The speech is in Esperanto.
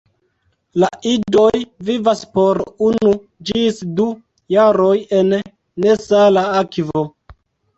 La idoj vivas por unu ĝis du jaroj en nesala akvo.